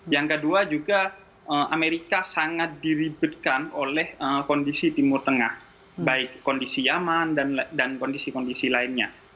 yang kedua juga amerika sangat diributkan oleh kondisi timur tengah baik kondisi yaman dan kondisi kondisi lainnya